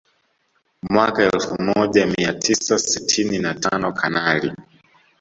Mwaka elfu moja mia tisa sitini na tano Kanali